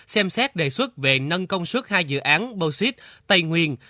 xem xét đề xuất về nâng công suất hai dự án bô xít tây nguyên